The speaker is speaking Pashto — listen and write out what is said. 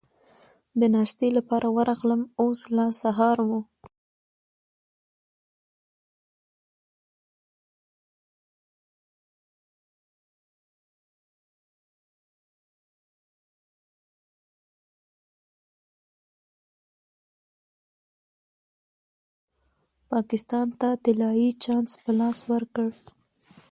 پاکستان ته طلايي چانس په لاس ورکړ.